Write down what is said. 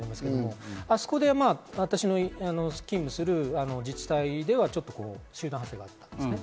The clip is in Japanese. あそこで私の勤務する自治体では、ちょっと集団発生があった。